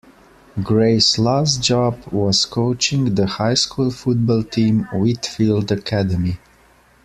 Gray's last job was coaching the high school football team Whitefield Academy.